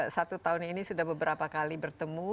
satu tahun ini sudah beberapa kali bertemu